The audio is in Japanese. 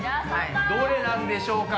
どれなんでしょうか？